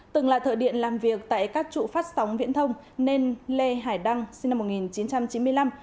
từng là thợ điện làm việc tại các trụ phát sóng viễn thông nên lê hải đăng sinh năm một nghìn chín trăm chín mươi năm